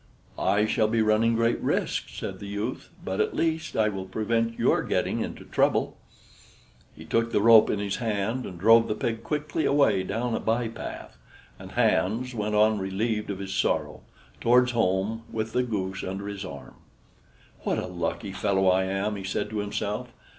"I shall be running great risks," said the youth, "but at least I will prevent your getting into trouble." He took the rope in his hand and drove the pig quickly away down a by path, and Hans went on relieved of his sorrow, towards home, with the goose under his arm. "What a lucky fellow I am!" he said to himself.